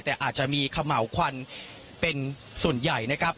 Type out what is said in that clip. แต่อาจจะมีเขม่าวควันเป็นส่วนใหญ่นะครับ